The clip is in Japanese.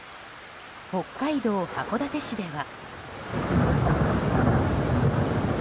北海道函館市では。